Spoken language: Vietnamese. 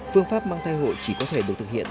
phương pháp mang thai hộ chỉ có thể được thực hiện